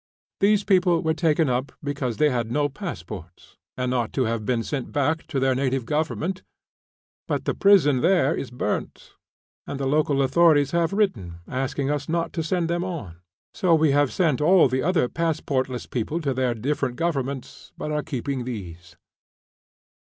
"These people were taken up because they had no passports, and ought to have been sent back to their native government; but the prison there is burnt, and the local authorities have written, asking us not to send them on. So we have sent all the other passportless people to their different governments, but are keeping these."